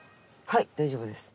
はい大丈夫です。